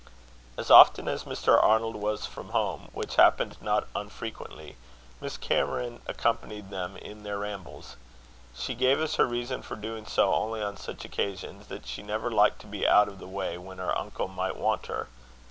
As often as Mr. Arnold was from home, which happened not unfrequently, Miss Cameron accompanied them in their rambles. She gave as her reason for doing so only on such occasions, that she never liked to be out of the way when her uncle might want her.